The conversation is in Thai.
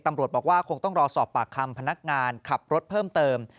ตำรวจบอกว่าคงต้องรอสอบปากคำพนักงานขับรถเพิ่มเติม